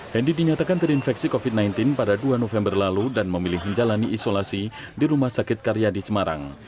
hendy dinyatakan terinfeksi covid sembilan belas pada dua november lalu dan memilih menjalani isolasi di rumah sakit karyadi semarang